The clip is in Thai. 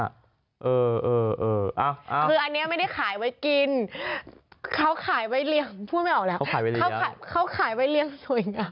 คืออันนี้ไม่ได้ขายไว้กินเขาขายไว้เลี้ยงพูดไม่ออกแล้วเขาขายไว้เรียงสวยนะ